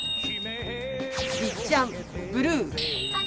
りっちゃんブルー。